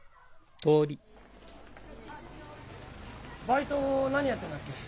バイト何やってんだっけ？